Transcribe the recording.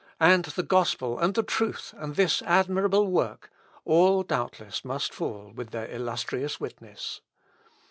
And the gospel, and the truth, and this admirable work ...; all doubtless must fall with their illustrious witness.